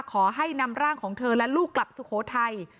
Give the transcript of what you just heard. ขอให้นำร่างของเธอและลูกกลับสุโขทัย